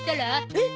えっ？